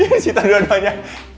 ini di sita dua duanya